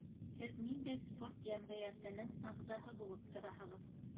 Һеҙ ниндәй спорт йәмғиәтенең ағзаһы булып тораһығыҙ?